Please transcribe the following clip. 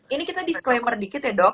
ini kita disclaimer dikit ya dok